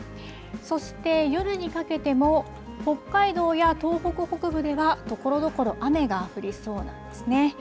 そして夜にかけても、北海道や東北北部ではところどころ、雨が降りそうなんですね。